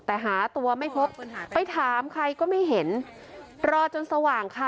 แต่หาตัวไม่พบไปถามใครก็ไม่เห็นรอจนสว่างค่ะ